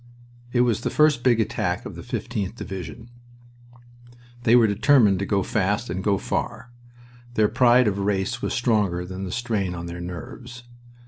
It was the first big attack of the 15th Division. They were determined to go fast and go far. Their pride of race was stronger than the strain on their nerves.